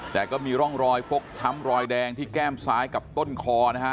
แต่ก็มีร่องรอยฟกช้ำรอยแดงที่แก้มซ้ายกับต้นคอนะฮะ